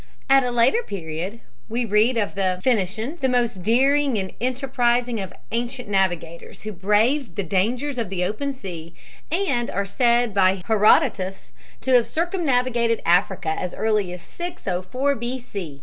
At a later period we read of the Phoenicians, the most daring and enterprising of ancient navigators, who braved the dangers of the open sea, and are said by Herodotus to have circumnavigated Africa as early as 604 B. C.